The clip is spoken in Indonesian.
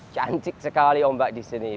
cantik sekali ombak di sini